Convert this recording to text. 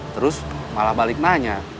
terus malah balik nanya